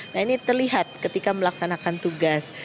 nah ini terlihat ketika melaksanakan tugas